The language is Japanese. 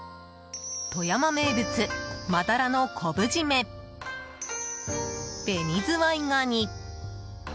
富山名物マダラの昆布締め紅ズワイガニ。